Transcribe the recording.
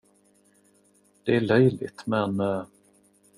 Det är löjligt, men.